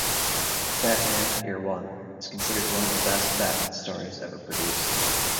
"Batman: Year One" is considered one of the best Batman stories ever produced.